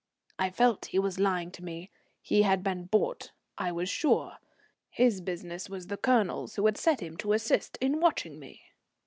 I felt he was lying to me. He had been bought, I was sure. His business was the Colonel's, who had set him to assist in watching me.